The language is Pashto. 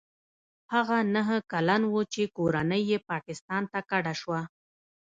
هغه نهه کلن و چې کورنۍ یې پاکستان ته کډه شوه.